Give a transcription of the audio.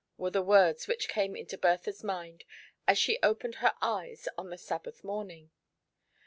ERE the words which came into Bertha's mind v'^V^ as she opened her eyea on the Sabbath mom • ing.